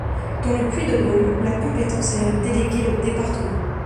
Dans le Puy-de-Dôme, la compétence est déléguée au département.